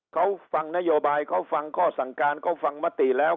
เขาฟังนโยบายเขาฟังข้อสั่งการเขาฟังมติแล้ว